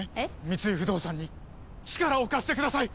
三井不動産に力を貸してください！